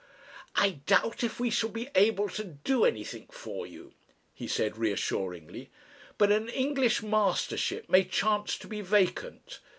"I doubt if we shall be able to do anything for you," he said reassuringly. "But an English mastership may chance to be vacant.